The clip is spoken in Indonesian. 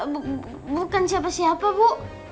bukan siapa siapa bu